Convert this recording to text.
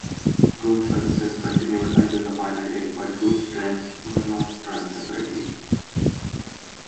Goods services continued until the final day but goods trains were not run separately.